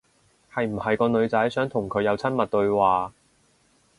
係唔係個女仔想同佢有親密對話？